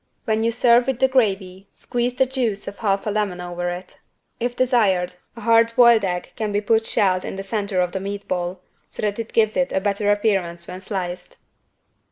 When you serve with the gravy squeeze the juice of half a lemon over it. If desired a hard boiled egg can be put shelled in the center of the meat ball, so that it gives it a better appearance when sliced.